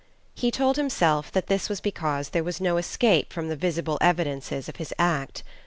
He told himself that this was because there was no escape from the visible evidences of his act.